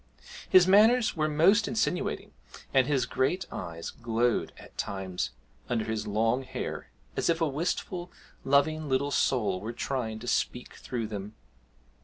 His manners were most insinuating, and his great eyes glowed at times under his long hair, as if a wistful, loving little soul were trying to speak through them.